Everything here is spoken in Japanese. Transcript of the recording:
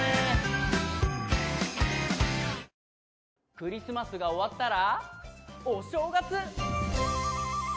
クリスマスが終わったらお正月！